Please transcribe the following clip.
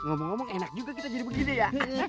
ngomong ngomong enak juga kita jadi begini ya